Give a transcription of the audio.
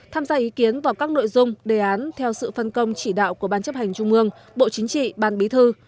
tham gia ý kiến vào các nội dung đề án theo sự phân công chỉ đạo của ban chấp hành trung ương bộ chính trị ban bí thư